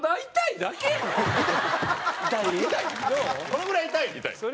このぐらい痛いのよ。